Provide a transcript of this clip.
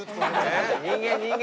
人間人間！